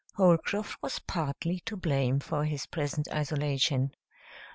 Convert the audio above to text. Holcroft was partly to blame for his present isolation.